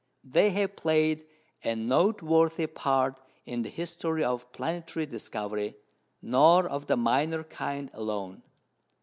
They have played a noteworthy part in the history of planetary discovery, nor of the minor kind alone.